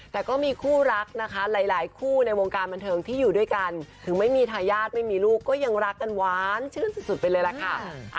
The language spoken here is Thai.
แต่ก็มีคู่รักนะคะหลายคู่ในวงการบันเทิงที่อยู่ด้วยกันถึงไม่มีทายาทไม่มีลูกก็ยังรักกันหวานชื่นสุดไปเลยล่ะค่ะ